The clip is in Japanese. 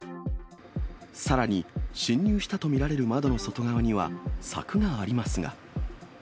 さらに、侵入したと見られる窓の外側には柵がありますが。